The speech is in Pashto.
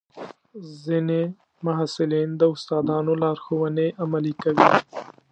ځینې محصلین د استادانو لارښوونې عملي کوي.